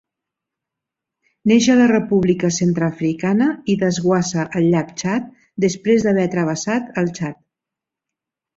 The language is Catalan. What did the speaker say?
Neix a la República Centreafricana i desguassa al llac Txad després d'haver travessat el Txad.